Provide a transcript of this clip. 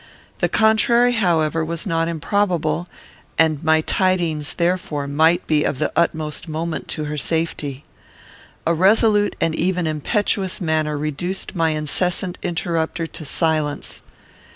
The contrary, however, was not improbable, and my tidings, therefore, might be of the utmost moment to her safety. A resolute and even impetuous manner reduced my incessant interrupter to silence.